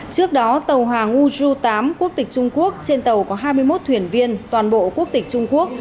trước đó tàu hàng urchu tám quốc tịch trung quốc trên tàu có hai mươi một thuyền viên toàn bộ quốc tịch trung quốc